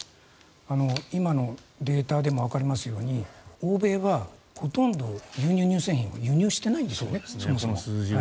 今のデータでもわかりますように欧米はほとんど牛乳、乳製品を輸入していないんですよね。